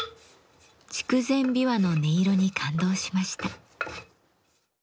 筑前琵琶の音色に感動しました。